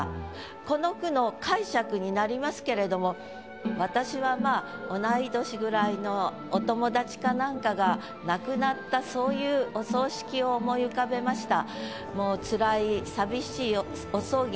この句の解釈になりますけれども私は同い年ぐらいのお友達か何かが亡くなったそういうお葬式を思い浮かべました。